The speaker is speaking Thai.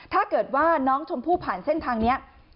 ถ้าเกิดว่าน้องชมพู่ผ่านเส้นทางนี้